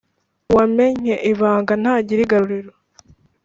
uwamennye ibanga ntagira igaruriro.